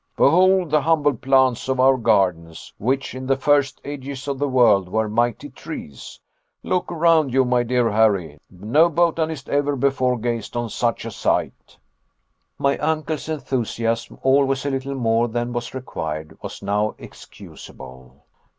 Behold the humble plants of our gardens, which in the first ages of the world were mighty trees. Look around you, my dear Harry. No botanist ever before gazed on such a sight!" My uncle's enthusiasm, always a little more than was required, was now excusable.